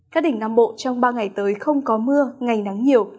các đỉnh nam bộ trong ba ngày tới không có mưa ngày nắng nhiều